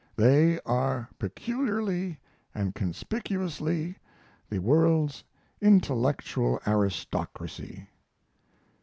"They are peculiarly and conspicuously the world's intellectual aristocracy."